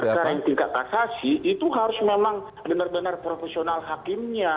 karena perkembangan tingkat pasasi itu harus memang benar benar profesional hakimnya